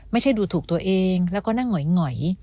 ไม่ใช่ดูถูกตัวเองแล้วก็นั่งหงอย